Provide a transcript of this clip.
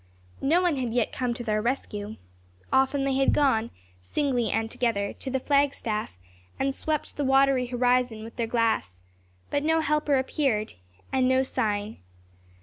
No one had yet come to their rescue. Often had they gone, singly and together, to the flag staff, and swept the watery horizon with their glass, but no helper appeared, and no sign.